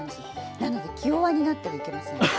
なので気弱になってはいけません。